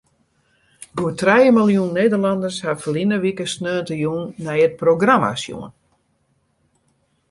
Goed trije miljoen Nederlanners hawwe ferline wike sneontejûn nei it programma sjoen.